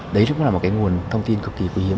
đấy cũng là một cái nguồn thông tin cực kỳ quý hiếm